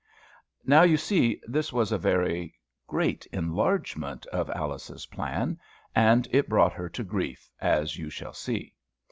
Now you see this was a very great enlargement of Alice's plan; and it brought her to grief, as you shall see.